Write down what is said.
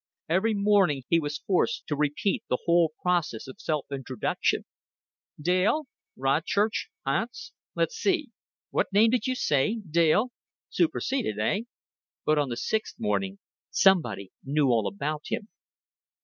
Every morning he was forced to repeat the whole process of self introduction. "Dale? Rodchurch, Hants. Let's see. What name did you say? Dale! Superseded eh?" But on the sixth morning somebody knew all about him.